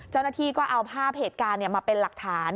เจ้าหน้าที่ก็เอาภาพเหตุการณ์มาเป็นหลักฐาน